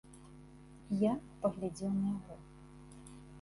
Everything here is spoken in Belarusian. Я паглядзеў на яго.